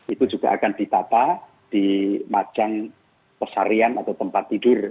itu juga akan ditata di majang pesarian atau tempat tidur